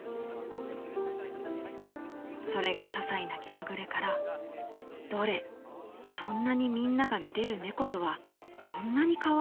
それが些細な気まぐれから『どれそんなにみんなが愛でる猫とはそんなに可愛いものなのか。